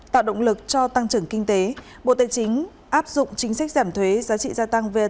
tạo động lực cho tăng trưởng kinh tế bộ tài chính áp dụng chính sách giảm thuế giá trị gia tăng